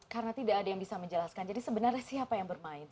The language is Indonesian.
karena tidak ada yang bisa menjelaskan jadi sebenarnya siapa yang bermain